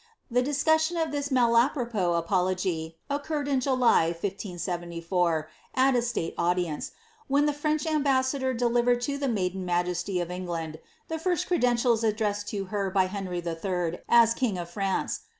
The discussion of this malapropos apo lofv, occurred in July, 1574, at a suite audience, when the Fiench am bassador deiivereii to the maiden majesty of England, the first creclentiala addressed to her by Henry III., as king of France.